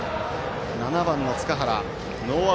７番の塚原。